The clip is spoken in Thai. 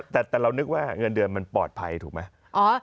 แต่เรานึกว่าเงินเดือนมันปลอดภัยถูกไหม